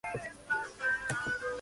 Florece de Abril a Mayo.